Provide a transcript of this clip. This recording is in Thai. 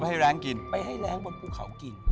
เอาไปให้แรงกิน